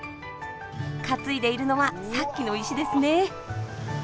担いでいるのはさっきの石ですね。